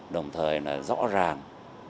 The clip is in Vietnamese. đồng thời là rõ ràng